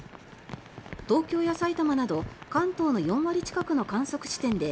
東京やさいたまなど関東の４割近くの観測地点で